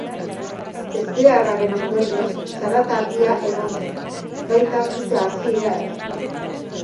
Ezbeharraren ondorioz, zarata handia egon zen, baita sute hasiera ere.